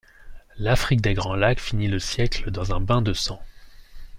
L’Afrique des Grands Lacs finit le siècle dans un bain de sang.